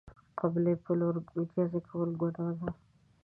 د قبلې په لور میتیاز کول گناه ده.